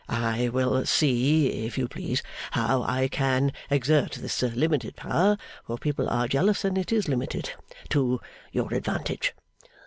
I will see, if you please, how I can exert this limited power (for people are jealous, and it is limited), to your advantage.